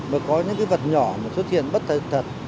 mà có những cái vật nhỏ mà xuất hiện bất tài thật